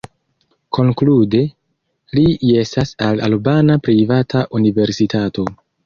Konklude, li jesas al albana privata universitato.